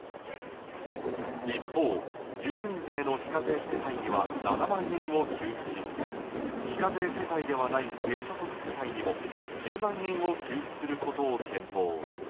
一方、住民税の非課税世帯には７万円を給付し非課税世帯ではない低所得世帯にも１０万円を給付することを検討。